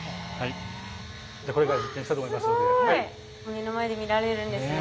目の前で見られるんですね。